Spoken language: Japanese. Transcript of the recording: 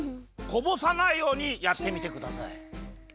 こぼさないようにやってみてください。